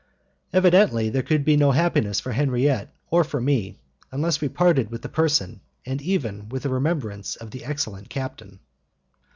Evidently there could be no happiness for Henriette or for me unless we parted with the person and even with the remembrance of the excellent captain.